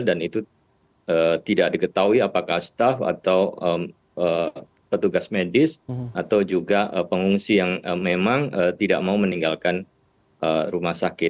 dan itu tidak diketahui apakah staff atau petugas medis atau juga pengungsi yang memang tidak mau meninggalkan rumah sakit